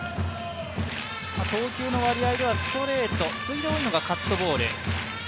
投球の割合ではストレート、次に多いのがカットボール。